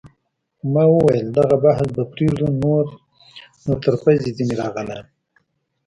ما وویل: دغه بحث به پرېږدو، نور نو تر پزې ځیني راغلی یم.